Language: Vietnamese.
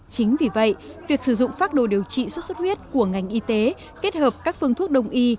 chính vì vậy việc sử dụng phác đồ điều trị xuất xuất huyết của ngành y tế kết hợp các phương thuốc đông y